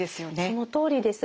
そのとおりです。